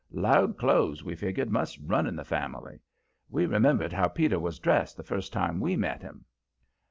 Loud clothes, we figgered, must run in the family. We remembered how Peter was dressed the first time we met him.